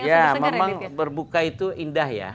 ya memang berbuka itu indah ya